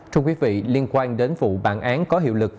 thưa quý vị liên quan đến vụ bản án có hiệu lực